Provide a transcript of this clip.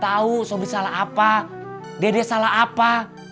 tahu suami salah apa dede salah apa